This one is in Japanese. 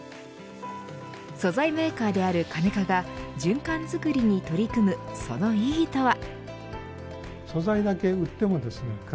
素材メーカーであるカネカが循環づくりに取り組むその意義とは。